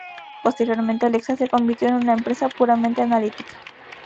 Posteriormente, Alexa se convirtió en una empresa puramente analítica.